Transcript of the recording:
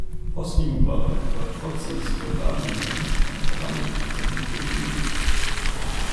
Hosni Mubarak war trotz seines Feudalregimes ein Garant für Stabilität in Ägypten.